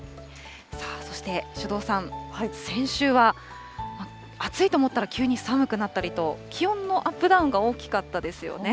さあ、そして首藤さん、先週は暑いと思ったら急に寒くなったりと、気温のアップダウンが大きかったですよね。